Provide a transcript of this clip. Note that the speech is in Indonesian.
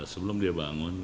sebelum dia bangun